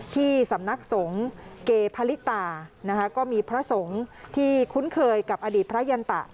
ที่สำนักสงฆ์เกพลิตานะคะก็มีพระสงฆ์ที่คุ้นเคยกับอดีตพระยันตะ